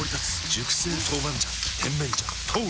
熟成豆板醤甜麺醤豆！